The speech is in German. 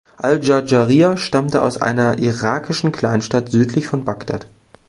Al-Dschardscharai stammte aus einer irakischen Kleinstadt südlich von Bagdad.